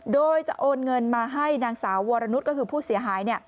โดยจะโอนเงินมาให้นางสาววรนุษย์ก็คือผู้เสียหาย